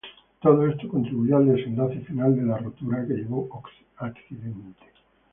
Todo esto contribuyó al desenlace final de la rotura que llevó accidente.